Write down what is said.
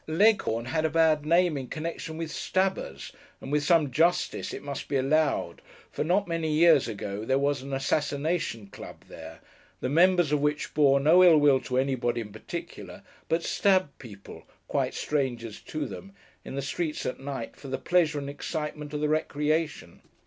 Leghorn had a bad name in connection with stabbers, and with some justice it must be allowed; for, not many years ago, there was an assassination club there, the members of which bore no ill will to anybody in particular, but stabbed people (quite strangers to them) in the streets at night, for the pleasure and excitement of the recreation.